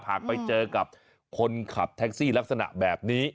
หากไปเจอกับคนขับแท็กซี่ลักษณะแบบนี้